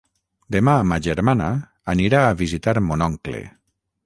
Demà ma germana anirà a visitar mon oncle.